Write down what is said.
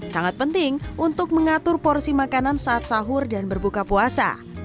sangat penting untuk mengatur porsi makanan saat sahur dan berbuka puasa